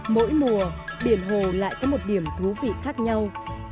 mỗi mùa biển hồ lại có một điểm thú vị khác nhau